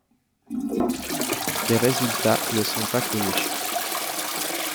Les résultats ne sont pas connus.